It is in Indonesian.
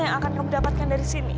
yang akan kamu dapatkan dari sini